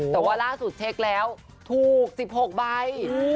แต่ว่าล่าสุดเช็คแล้วถูก๑๖ใบ